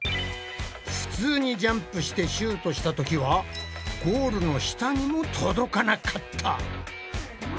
普通にジャンプしてシュートしたときはゴールの下にも届かなかった。